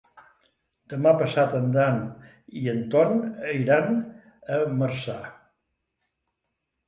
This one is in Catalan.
Demà passat en Dan i en Ton iran a Marçà.